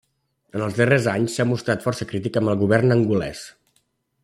En els darrers anys s'ha mostrat força crític amb el govern angolès.